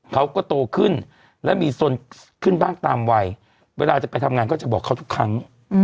เขาก็โตขึ้นและมีสนขึ้นบ้างตามวัยเวลาจะไปทำงานก็จะบอกเขาทุกครั้ง